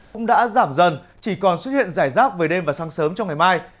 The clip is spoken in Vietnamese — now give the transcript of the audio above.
công đã giảm dần chỉ còn xuất hiện giải rác về đêm và sáng sớm trong ngày mai